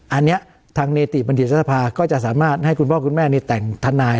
อันนี้ทางเนติบัณฑิตสภาก็จะสามารถให้คุณพ่อคุณแม่แต่งทนาย